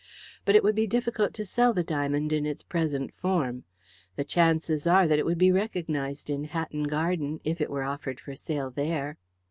But it would be difficult to sell the diamond in its present form. The chances are that it would be recognized in Hatton Garden if it were offered for sale there."